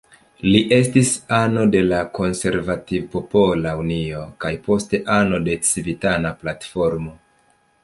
Li estis ano de la Konservativ-Popola Unio, kaj poste ano de la Civitana Platformo.